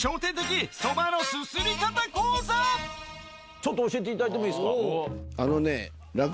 ちょっと教えていただいてもいいですか。